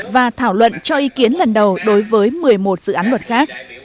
và thảo luận cho ý kiến lần đầu đối với một mươi một dự án luật khác